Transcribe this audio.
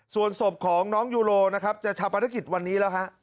ส่วนศพของน้องยูโรนะครับจะชาปนกิจวันนี้แล้วฮะ